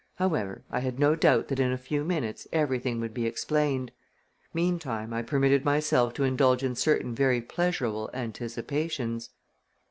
However, I had no doubt that in a few minutes everything would be explained. Meantime I permitted myself to indulge in certain very pleasurable anticipations.